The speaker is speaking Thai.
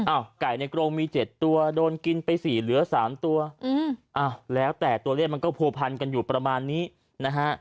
ไก่ในกรงมี๗ตัวโดนกินไป๔เหลือ๓ตัวแล้วแต่ตัวเลขมันก็ผัวพันกันอยู่ประมาณนี้นะฮะ